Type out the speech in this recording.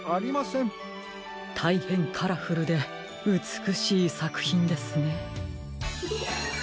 たいへんカラフルでうつくしいさくひんですね。